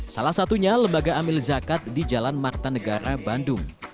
salah satunya lembaga amil zakat di jalan marta negara bandung